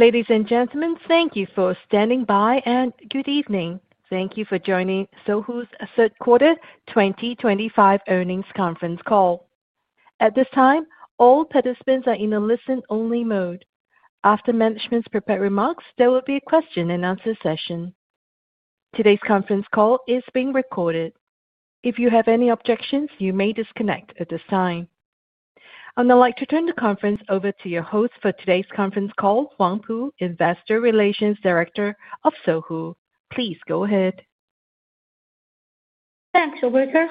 Ladies and gentlemen, thank you for standing by, and good evening. Thank you for joining Sohu's third quarter 2025 earnings conference call. At this time, all participants are in a listen-only mode. After management's prepared remarks, there will be a question-and-answer session. Today's conference call is being recorded. If you have any objections, you may disconnect at this time. I'd now like to turn the conference over to your host for today's conference call, Huang Pu, Investor Relations Director of Sohu. Please go ahead. Thanks, Director.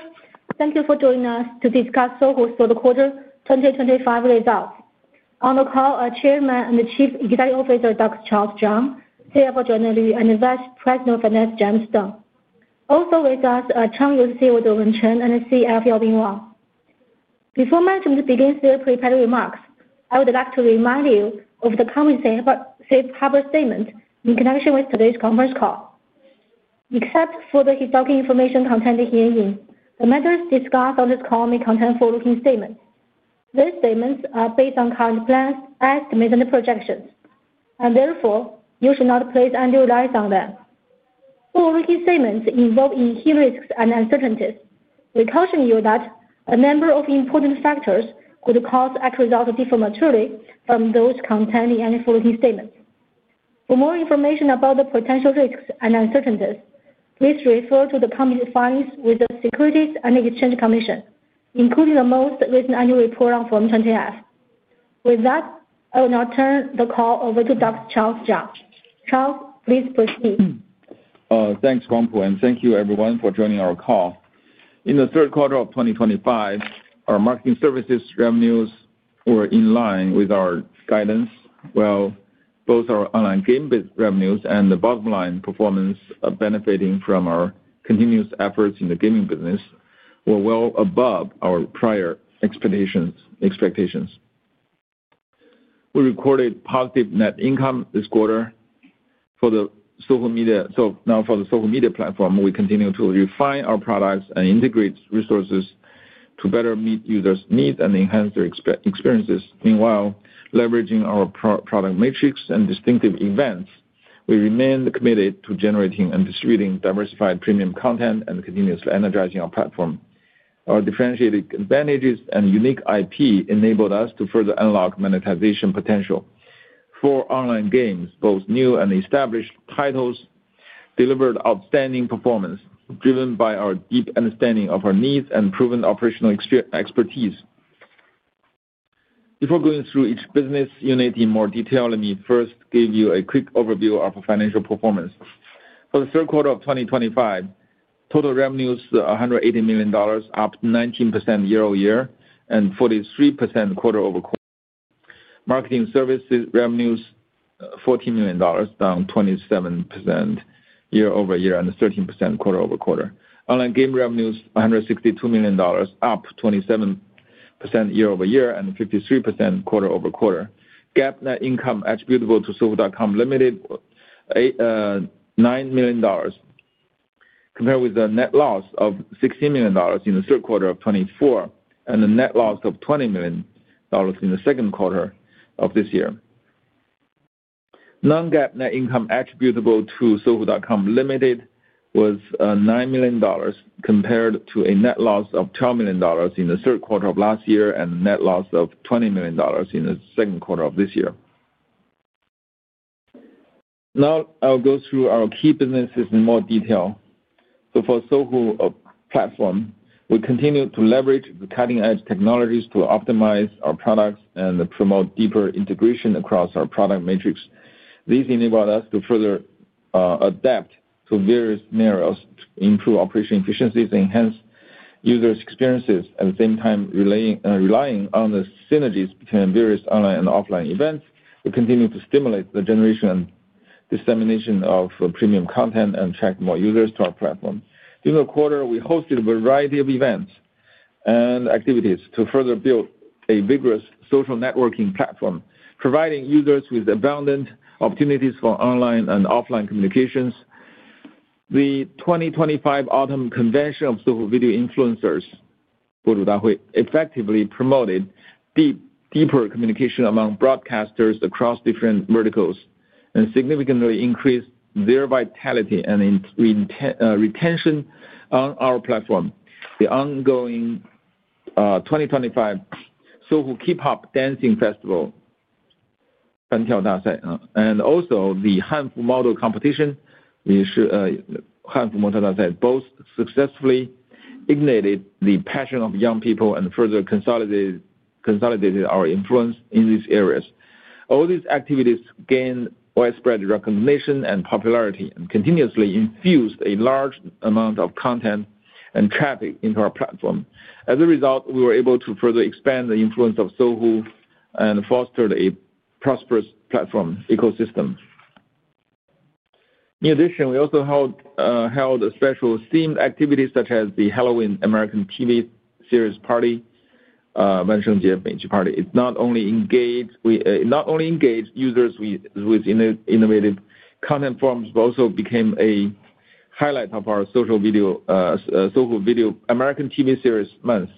Thank you for joining us to discuss Sohu's third quarter 2025 results. On the call are Chairman and Chief Executive Officer, Dr. Charles Zhang, CFO Joanna Lv, and Vice President of Finance, James Deng. Also with us are Chairman Yunxi Wu, Dewen Chen, and CFO Yaobin Wang. Before management begins their prepared remarks, I would like to remind you of the company's safe harbor statement in connection with today's conference call. Except for the historical information contained herein, the matters discussed on this call may contain forward-looking statements. These statements are based on current plans, estimates, and projections, and therefore, you should not place undue reliance on them. Forward-looking statements involve inherent risks and uncertainties. We caution you that a numbe For more information about the potential risks and uncertainties, please refer to the company's filings with the Securities and Exchange Commission, including the most recent annual report on Form 20-F. With that, I will now turn the call over to Dr. Charles Zhang. Charles, please proceed. Thanks, Huang Pu, and thank you everyone for joining our call. In the third quarter of 2025, our marketing services revenues were in line with our guidance. Both our online game-based revenues and the bottom-line performance benefiting from our continuous efforts in the gaming business were well above our prior expectations. We recorded positive net income this quarter. Now, for the Sohu Media platform, we continue to refine our products and integrate resources to better meet users' needs and enhance their experiences. Meanwhile, leveraging our product matrix and distinctive events, we remain committed to generating and distributing diversified premium content and continuously energizing our platform. Our differentiated advantages and unique IP enabled us to further unlock monetization potential. For online games, both new and established titles delivered outstanding performance, driven by our deep understanding of our needs and proven operational expertise. Before going through each business unit in more detail, let me first give you a quick overview of our financial performance. For the third quarter of 2025, total revenues: $180 million, up 19% year-over-year and 43% quarter-over-quarter. Marketing services revenues: $14 million, down 27% year-over-year and 13% quarter-over-quarter. Online game revenues: $162 million, up 27% year-over-year and 53% quarter-over-quarter. GAAP net income attributable to Sohu.com Limited: $9 million, compared with a net loss of $16 million in the third quarter of 2024 and a net loss of $20 million in the second quarter of this year. Non-GAAP net income attributable to Sohu.com Limited was $9 million, compared to a net loss of $12 million in the third quarter of last year and a net loss of $20 million in the second quarter of this year. Now, I'll go through our key businesses in more detail. For Sohu platform, we continue to leverage the cutting-edge technologies to optimize our products and promote deeper integration across our product matrix. These enable us to further adapt to various scenarios to improve operational efficiencies and enhance users' experiences. At the same time, relying on the synergies between various online and offline events, we continue to stimulate the generation and dissemination of premium content and attract more users to our platform. During the quarter, we hosted a variety of events and activities to further build a vigorous social networking platform, providing users with abundant opportunities for online and offline communications. The 2025 Autumn Convention of Sohu Video Influencers effectively promoted deeper communication among broadcasters across different verticals and significantly increased their vitality and retention on our platform. The ongoing 2025 Sohu K-pop Dancing Festival and also the Hanfu Model Competition, both successfully ignited the passion of young people and further consolidated our influence in these areas. All these activities gained widespread recognition and popularity and continuously infused a large amount of content and traffic into our platform. As a result, we were able to further expand the influence of Sohu and fostered a prosperous platform ecosystem. In addition, we also held special themed activities such as the Halloween American TV Series Party. It not only engaged users with innovative content forms but also became a highlight of our Sohu Video American TV Series month,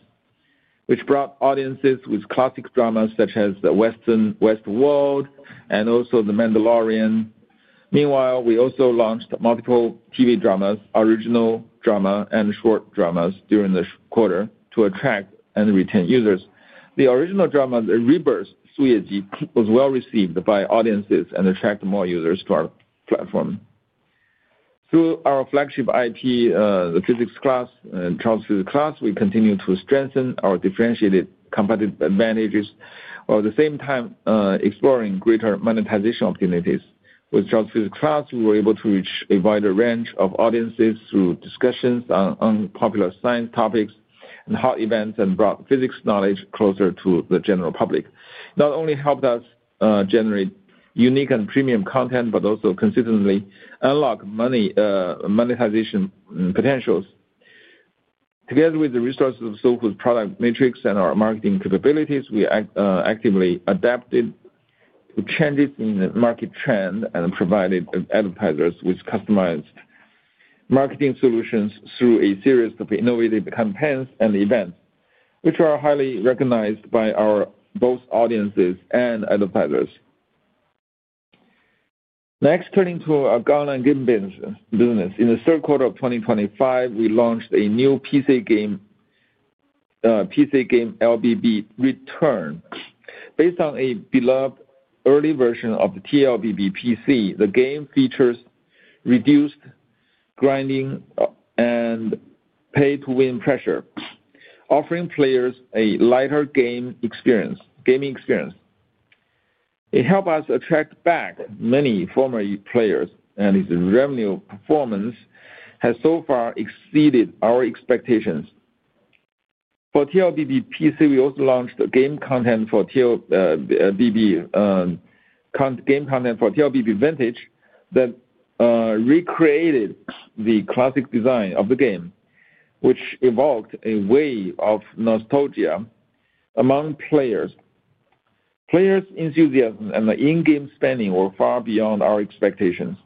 which brought audiences with classic dramas such as The Western Westworld and also The Mandalorian. Meanwhile, we also launched multiple TV dramas, original drama, and short dramas during the quarter to attract and retain users. The original drama, The Rebirth, was well received by audiences and attracted more users to our platform. Through our flagship IP, the Charles Physics Class, we continue to strengthen our differentiated competitive advantages while at the same time exploring greater monetization opportunities. With Charles Physics Class, we were able to reach a wider range of audiences through discussions on popular science topics and hot events and brought physics knowledge closer to the general public. It not only helped us generate unique and premium content but also consistently unlocked monetization potentials. Together with the resources of Sohu's product matrix and our marketing capabilities, we actively adapted to changes in the market trend and provided advertisers with customized marketing solutions through a series of innovative campaigns and events, which are highly recognized by both audiences and advertisers. Next, turning to our online game business, in the third quarter of 2025, we launched a new PC game, TLBB Return. Based on a beloved early version of TLBB PC, the game features reduced grinding and pay-to-win pressure, offering players a lighter gaming experience. It helped us attract back many former players, and its revenue performance has so far exceeded our expectations. For TLBB PC, we also launched game content for TLBB Vintage that recreated the classic design of the game, which evoked a wave of nostalgia among players. Players' enthusiasm and in-game spending were far beyond our expectations.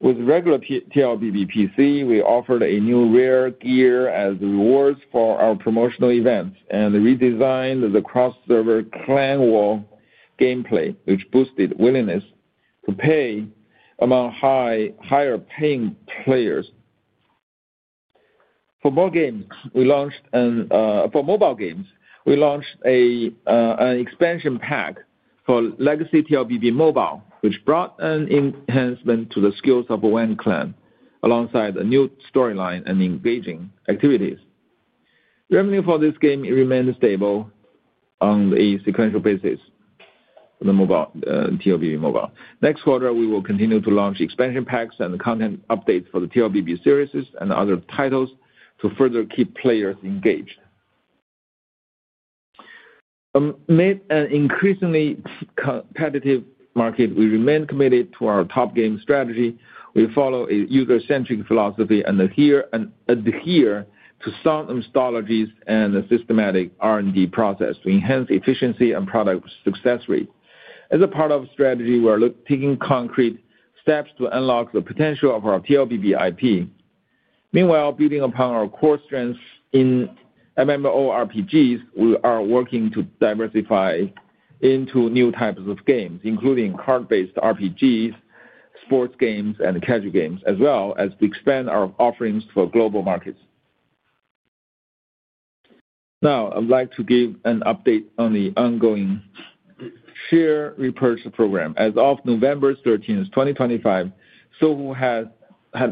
With regular TLBB PC, we offered a new rare gear as rewards for our promotional events and redesigned the cross-server clan war gameplay, which boosted willingness to pay among higher-paying players. For mobile games, we launched an expansion pack for Legacy TLBB Mobile, which brought an enhancement to the skills of a Wang clan alongside a new storyline and engaging activities. Revenue for this game remained stable on a sequential basis for the TLBB Mobile. Next quarter, we will continue to launch expansion packs and content updates for the TLBB series and other titles to further keep players engaged. Amid an increasingly competitive market, we remain committed to our top game strategy. We follow a user-centric philosophy and adhere to sound methodologies and a systematic R&D process to enhance efficiency and product success rate. As a part of the strategy, we are taking concrete steps to unlock the potential of our TLBB IP. Meanwhile, building upon our core strengths in MMORPGs, we are working to diversify into new types of games, including card-based RPGs, sports games, and casual games, as well as to expand our offerings for global markets. Now, I'd like to give an update on the ongoing share repurchase program. As of November 13th, 2025, Sohu has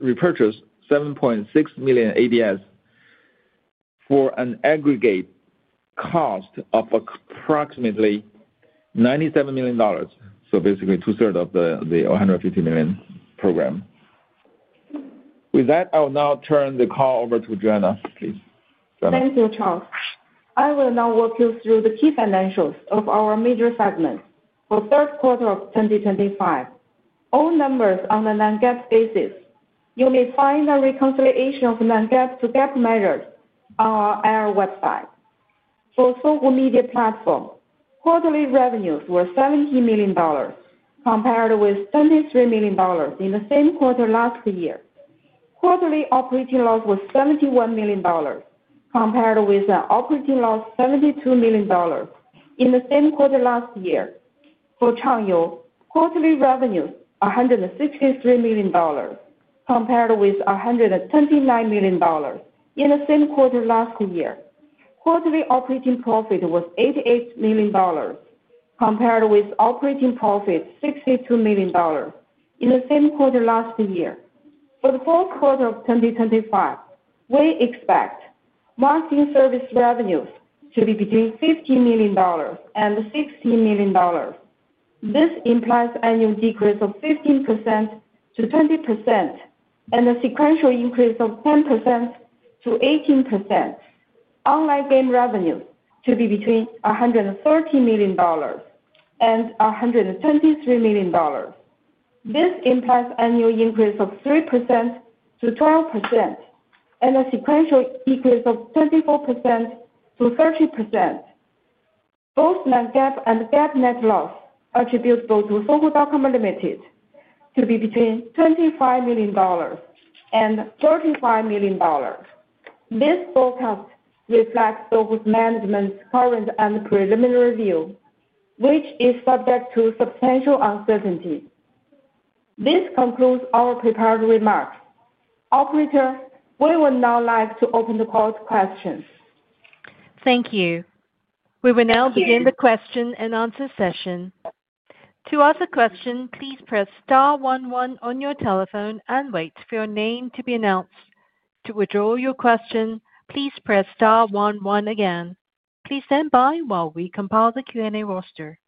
repurchased 7.6 million ADS for an aggregate cost of approximately $97 million, so basically two-thirds of the $150 million program. With that, I will now turn the call over to Joanna, please. Thank you, Charles. I will now walk you through the key financials of our major segments for the third quarter of 2025. All numbers on a non-GAAP basis. You may find a reconciliation of non-GAAP to GAAP measures on our website. For Sohu Media platform, quarterly revenues were $17 million, compared with $73 million in the same quarter last year. Quarterly operating loss was $71 million, compared with an operating loss of $72 million in the same quarter last year. For Changyou, quarterly revenues were $163 million, compared with $129 million in the same quarter last year. Quarterly operating profit was $88 million, compared with operating profit of $62 million in the same quarter last year. For the fourth quarter of 2025, we expect marketing service revenues to be between $15 million and $16 million. This implies an annual decrease of 15%-20% and a sequential increase of 10%-18%. Online game revenues to be between $130 million and $123 million. This implies an annual increase of 3%-12% and a sequential decrease of 24%-30%. Both non-GAAP and GAAP net loss attributable to Sohu.com Limited to be between $25 million and $35 million. This forecast reflects Sohu's management's current and preliminary view, which is subject to substantial uncertainty. This concludes our prepared remarks. Operator, we would now like to open the call to questions. Thank you. We will now begin the question-and answer session. To ask a question, please press star one one on your telephone and wait for your name to be announced. To withdraw your question, please press star one one again. Please stand by while we compile the Q&A roster.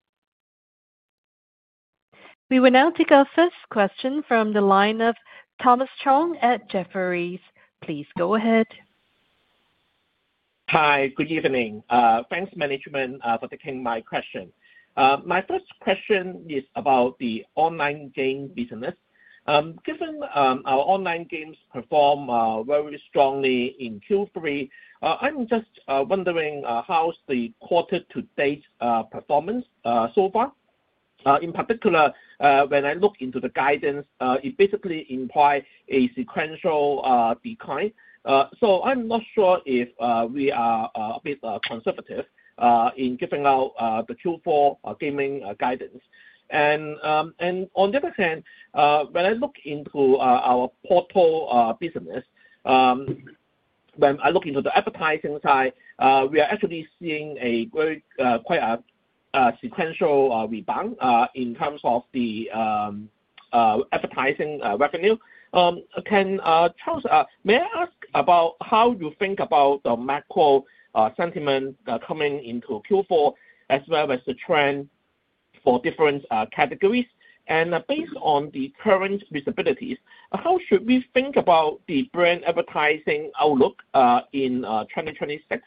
We will now take our first question from the line of Thomas Chong at Jefferies. Please go ahead. Hi, good evening. Thanks, Management, for taking my question. My first question is about the online game business. Given our online games perform very strongly in Q3, I'm just wondering how's the quarter-to-date performance so far? In particular, when I look into the guidance, it basically implies a sequential decline. I'm not sure if we are a bit conservative in giving out the Q4 gaming guidance. On the other hand, when I look into our portal business, when I look into the advertising side, we are actually seeing quite a sequential rebound in terms of the advertising revenue. Can Charles, may I ask about how you think about the macro sentiment coming into Q4 as well as the trend for different categories? Based on the current visibilities, how should we think about the brand advertising outlook in 2026,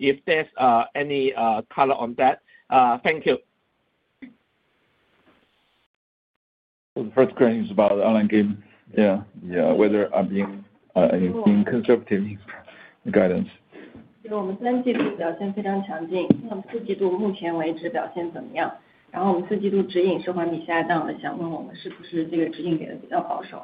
if there's any color on that? Thank you. The first question is about online game, yeah, whether I'm being conservative in guidance. 我们三季度表现非常强劲，那我们四季度目前为止表现怎么样？然后我们四季度指引是环比下降的，想问我们是不是这个指引给的比较保守？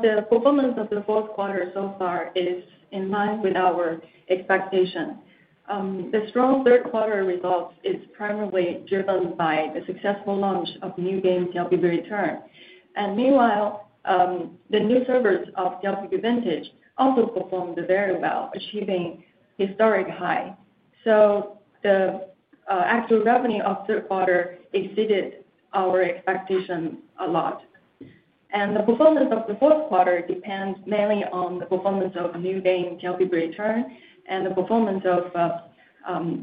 The performance of the fourth quarter so far is in line with our expectation. The strong third quarter results is primarily driven by the successful launch of new game TLBB Return. Meanwhile, the new servers of TLBB Vintage also performed very well, achieving historic highs. The actual revenue of the third quarter exceeded our expectations a lot. The performance of the fourth quarter depends mainly on the performance of new game TLBB Return and the performance of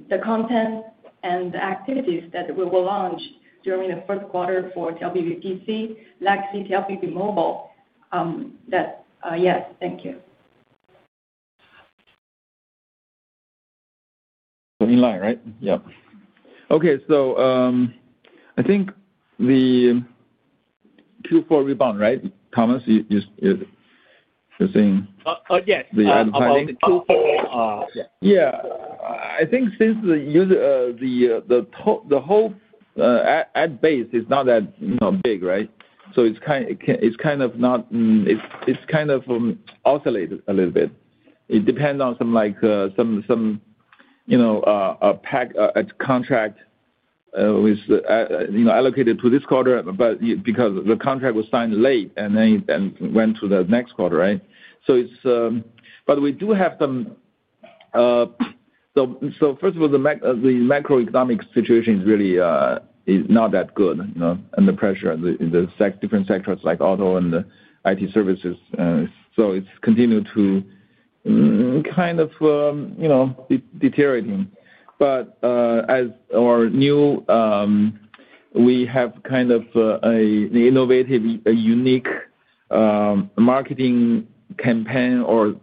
the content and the activities that we will launch during the fourth quarter for TLBB PC, Legacy TLBB Mobile. Yes, thank you. In line, right? Yeah. Okay, I think the Q4 rebound, right? Thomas, you're saying? Yes.The advertising Q4. Yeah. I think since the whole ad base is not that big, right? So it's kind of not, it's kind of oscillated a little bit. It depends on some pack contract allocated to this quarter because the contract was signed late and then went to the next quarter, right? We do have some, so first of all, the macroeconomic situation is really not that good, and the pressure in the different sectors like auto and IT services. It's continued to kind of deteriorate. As our new, we have kind of an innovative, unique marketing campaign or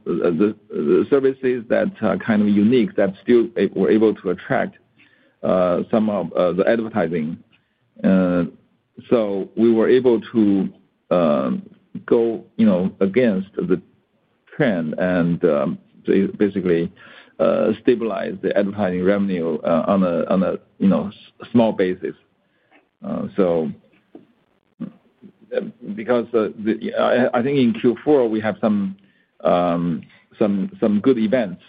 services that are kind of unique that still were able to attract some of the advertising. We were able to go against the trend and basically stabilize the advertising revenue on a small basis. Because I think in Q4, we have some good events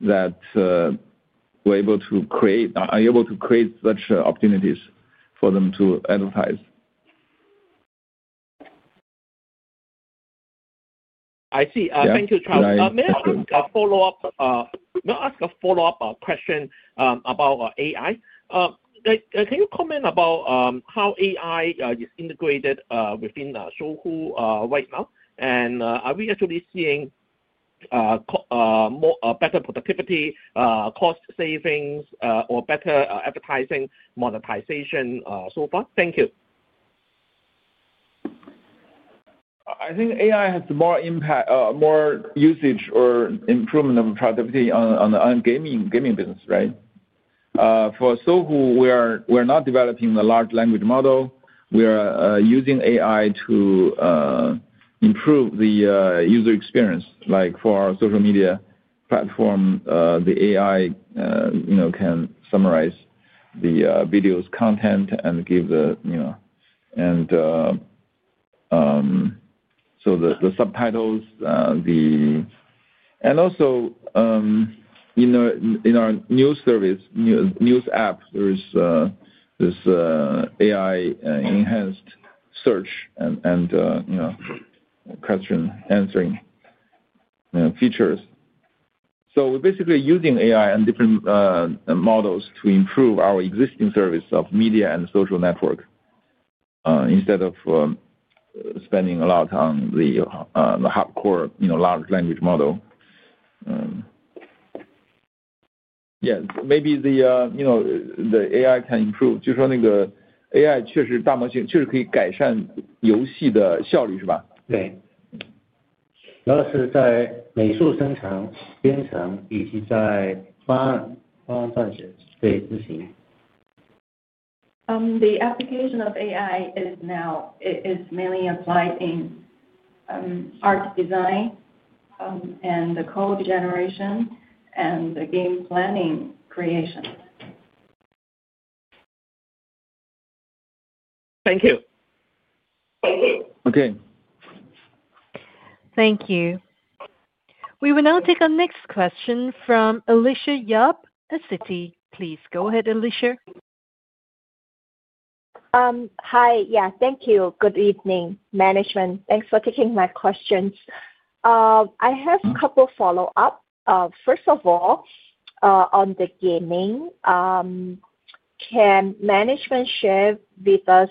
that we're able to create, are able to create such opportunities for them to advertise. I see. Thank you, Charles. May I ask a follow-up question about AI? Can you comment about how AI is integrated within Sohu right now? Are we actually seeing better productivity, cost savings, or better advertising monetization so far? Thank you. I think AI has more impact, more usage, or improvement of productivity on the gaming business, right? For Sohu, we are not developing a large language model. We are using AI to improve the user experience. Like for our social media platform, the AI can summarize the video's content and give the subtitles. Also, in our new service, news app, there is AI-enhanced search and question answering features. We are basically using AI and different models to improve our existing service of media and social network instead of spending a lot on the hardcore large language model. Yeah, maybe the AI can improve. 就说那个 AI确实大模型确实可以改善游戏的效率，是吧? 对。主要是在美术生成、编程，以及在方案撰写可以执行。The application of AI is mainly applied in art design and the code generation and the game planning creation. Thank you. Okay. Thank you. We will now take our next question from Alicia Yap at Citi. Please go ahead, Alicia. Hi, yeah, thank you. Good evening, Management. Thanks for taking my questions. I have a couple of follow-ups. First of all, on the gaming, can Management share with us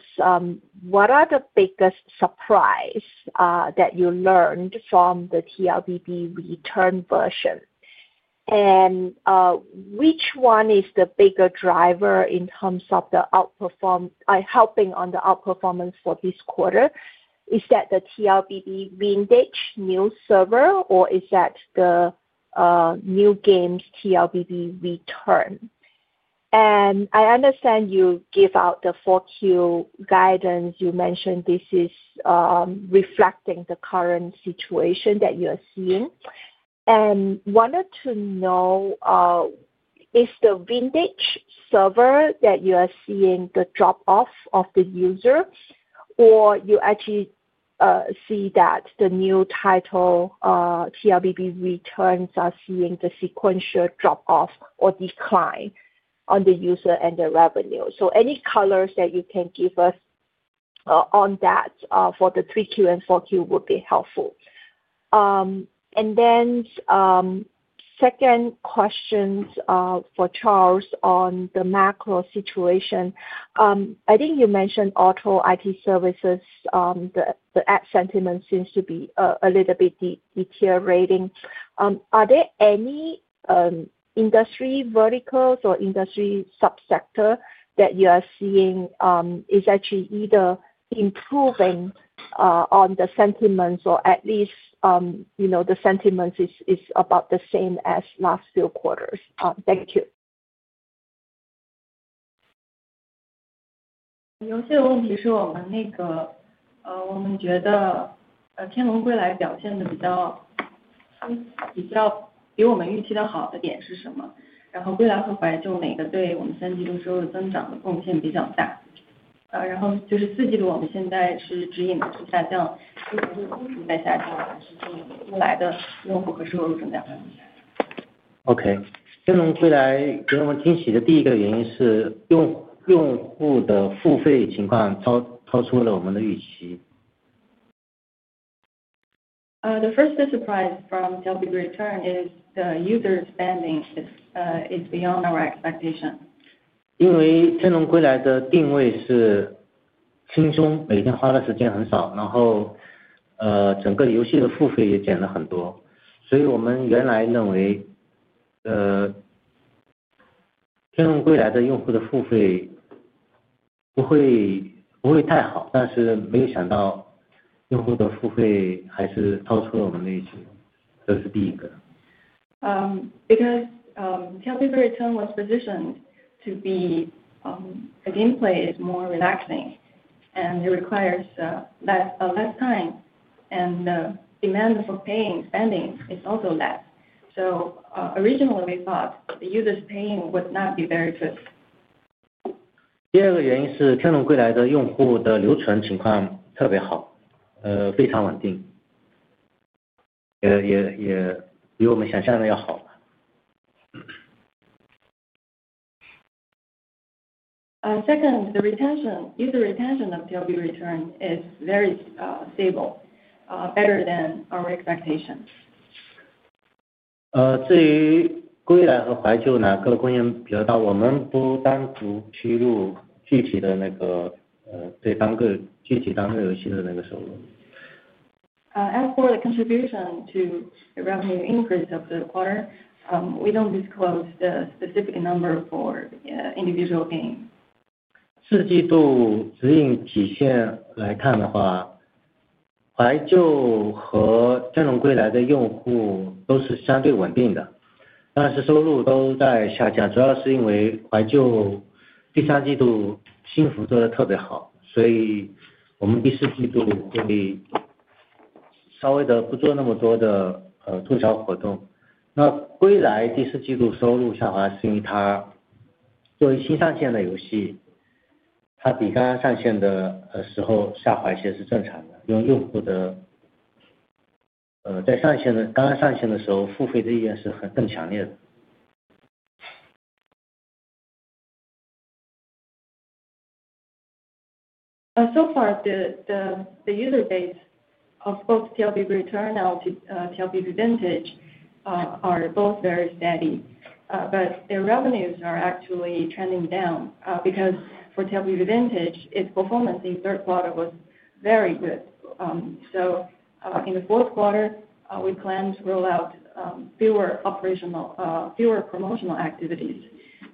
what are the biggest surprises that you learned from the TLBB Return version? Which one is the bigger driver in terms of helping on the outperformance for this quarter? Is that the TLBB Vintage new server, or is that the new games TLBB Return? I understand you give out the fourth quarter guidance. You mentioned this is reflecting the current situation that you are seeing. I wanted to know if the Vintage server that you are seeing the drop-off of the user, or you actually see that the new title TLBB Return is seeing the sequential drop-off or decline on the user and the revenue. Any colors that you can give us on that for the three-queue and four-queue would be helpful. The second question for Charles on the macro situation. I think you mentioned auto IT services. The ad sentiment seems to be a little bit deteriorating. Are there any industry verticals or industry subsector that you are seeing is actually either improving on the sentiments, or at least the sentiment is about the same as last few quarters? Thank you. 有一些问题是我们那个我们觉得天龙归来表现得比较比我们预期的好的点是什么？然后归来和怀旧哪个对我们三季度收入增长的贡献比较大？然后就是四季度我们现在是指引的是下降，还是增幅在下降，还是进来的用户和收入增加？ Okay. 天龙归来给我们惊喜的第一个原因是用户的付费情况超出了我们的预期。The first surprise from TLBB Return is the user spending is beyond our expectation. 因为天龙归来的定位是轻松，每天花的时间很少，然后整个游戏的付费也减了很多。所以我们原来认为天龙归来的用户的付费不会太好，但是没想到用户的付费还是超出了我们的预期。这是第一个。Because TLBB Return was positioned to be a gameplay is more relaxing, and it requires less time, and the demand for paying spending is also less. Originally we thought the user's paying would not be very good. 第二个原因是天龙归来的用户的留存情况特别好，非常稳定，也比我们想象的要好。Second, the retention, user retention of TLBB Return is very stable, better than our expectation. 至于归来和怀旧，各个贡献比较大，我们不单独披露具体的那个对单个具体单个游戏的那个收入。As for the contribution to revenue increase of the quarter, we don't disclose the specific number for individual game. 四季度指引体现来看的话，怀旧和天龙归来的用户都是相对稳定的，但是收入都在下降，主要是因为怀旧第三季度星服做得特别好，所以我们第四季度会稍微的不做那么多的促销活动。那归来第四季度收入下滑是因为它作为新上线的游戏，它比刚刚上线的时候下滑一些是正常的。用户的在上线的刚刚上线的时候付费的意愿是更强烈的。So far, the user base of both TLBB Return and TLBB Vintage are both very steady, but their revenues are actually trending down because for TLBB Vintage, its performance in the third quarter was very good. In the fourth quarter, we planned to roll out fewer promotional activities.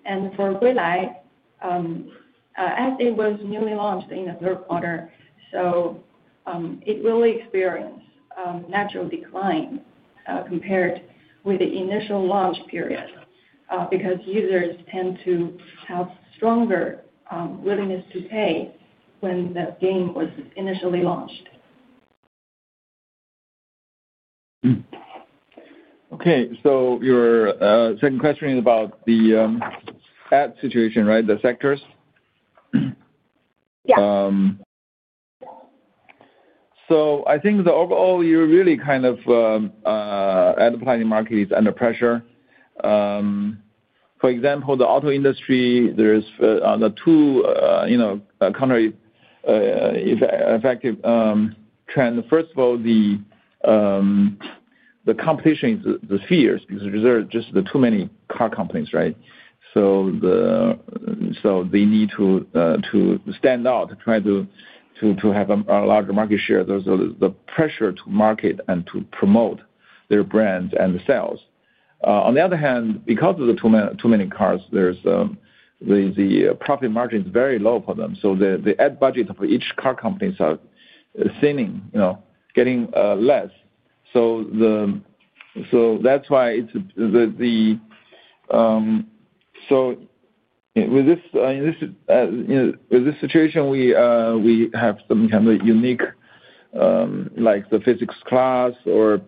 For TLBB Return, as it was newly launched in the third quarter, it really experienced a natural decline compared with the initial launch period because users tend to have stronger willingness to pay when the game was initially launched. Okay, so your second question is about the ad situation, right? The sectors? Yeah. I think the overall, you're really kind of advertising market is under pressure. For example, the auto industry, there's the two counter-effective trends. First of all, the competition is fierce because there are just too many car companies, right? They need to stand out, try to have a larger market share. There's the pressure to market and to promote their brands and the sales. On the other hand, because of the too many cars, the profit margin is very low for them. The ad budget for each car company is thinning, getting less. That's why it's the, so with this situation, we have some kind of unique, like the physics class, or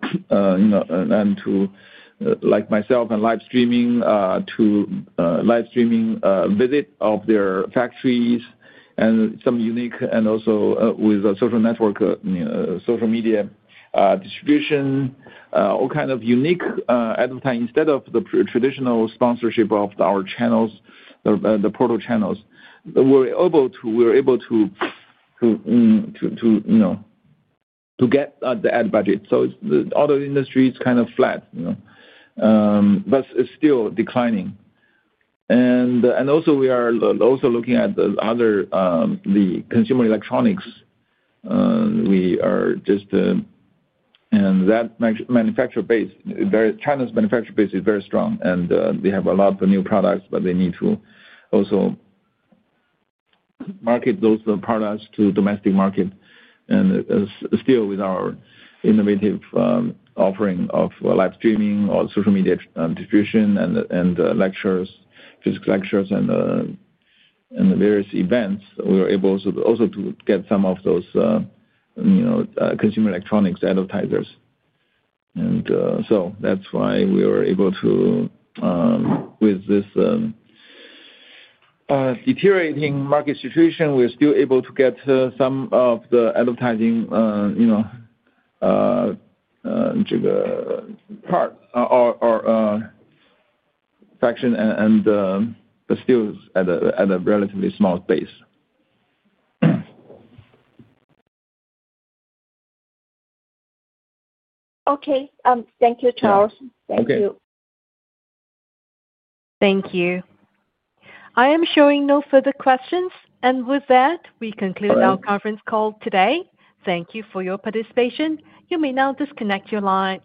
like myself and live streaming, to live streaming visit of their factories and some unique, and also with social network, social media distribution, all kinds of unique advertising instead of the traditional sponsorship of our channels, the portal channels. We're able to get the ad budget. The auto industry is kind of flat, but it's still declining. We are also looking at the other consumer electronics. We are just, and that manufacturer base, China's manufacturer base is very strong, and they have a lot of new products, but they need to also market those products to domestic market. Still with our innovative offering of live streaming or social media distribution and lectures, physics lectures, and various events, we were able also to get some of those consumer electronics advertisers. That is why we were able to, with this deteriorating market situation, we are still able to get some of the advertising part or section and still at a relatively small space. Okay. Thank you, Charles. Thank you. Thank you. I am showing no further questions. With that, we conclude our conference call today. Thank you for your participation. You may now disconnect your line.